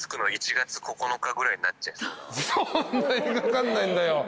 そんなにかかんないんだよ。